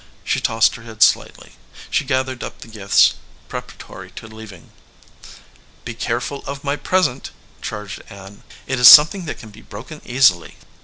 She tossed her head slightly. She gathered up the gifts pre paratory to leaving. "Be careful of my present," charged Ann. "It is something that can be broken easily."